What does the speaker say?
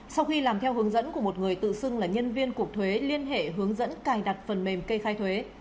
sau khi làm theo hướng dẫn của một người tự xưng là nhân viên cục thuế liên hệ hướng dẫn cài đặt phần mềm kê khai thuế